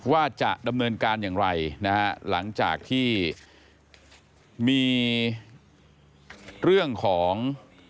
ว่าจะดำเนินการอย่างไรนะฮะหลังจากที่มีเรื่องของ